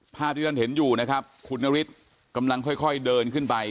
ภาพที่ท่านเห็นอยู่นะครับคุณนฤทธิ์กำลังค่อยเดินขึ้นไป